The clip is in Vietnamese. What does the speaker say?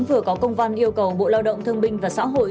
vừa có công văn yêu cầu bộ lao động thương binh và xã hội